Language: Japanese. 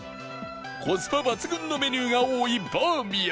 コスパ抜群のメニューが多いバーミヤン